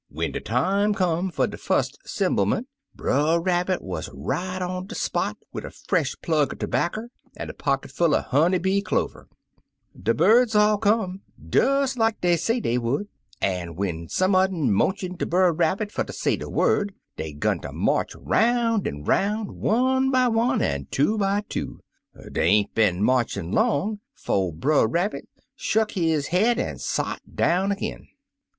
When dc time come fer de fust 'semblement. Brer Rabbit wuz right on de spot, wid a fresh plug er terbacker, an' a pocketful er honey bee clover. De birds all come, des like dey say dey would, an' when some un motioned ter Brer Rabbit fer ter say de word, dey 'gun ter march 'roun' an' 'roun', one by 140 The Most Beautiful Bird one, an' two by two. Dey ain't been march in' long 'fo' Brer Rabbit shuck his head an' sot down ag'in.